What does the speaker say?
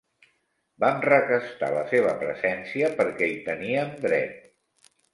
Vam requestar la seva presència perquè hi teníem dret.